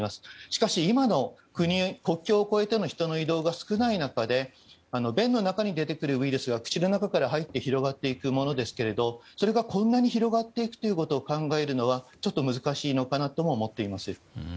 しかし、今の国境を越えての人の移動が少ない中で便の中に出てくるウイルスが、口の中に入って広がっていくものですけどそれがこんなに広がっていくということを考えるのはちょっと難しいのかなと思います。